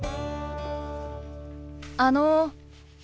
あの。